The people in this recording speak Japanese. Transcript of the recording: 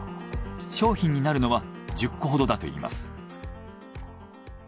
商品になるのは１０個ほどだといいます。